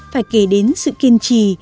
phải kể đến sự kiên trì